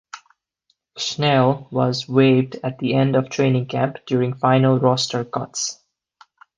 Schnell was waived at the end of training camp during final roster cuts.